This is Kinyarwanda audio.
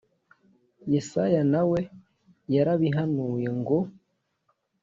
yesaya na we yarabihanuye ngo